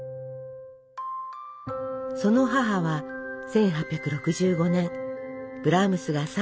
その母は１８６５年ブラームスが３２歳の時に亡くなります。